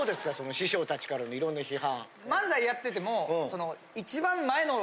師匠たちからのいろんな批判。